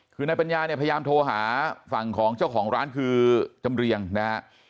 คือนายปัญญาเนี่ยพยายามโทรหาฝั่งของเจ้าของร้านคือจำเรียงนะฮะ